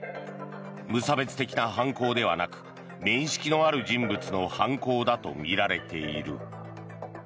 無差別的な犯行ではなく面識のある人物の犯行だとみられている。